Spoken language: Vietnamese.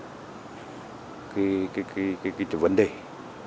cái vấn đề là tích hợp được những giải pháp này lên là những giải pháp tích hợp